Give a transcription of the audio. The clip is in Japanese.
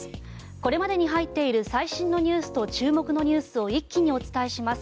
これまでに入っている最新ニュースと注目ニュースを一気にお伝えします。